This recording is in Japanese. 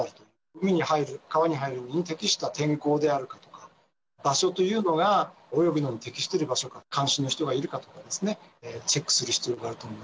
海に入る、川に入るに適した天候であるかとか、場所というのが、泳ぐのに適している場所か、監視の人がいるかどうかですね、チェックする必要があると思い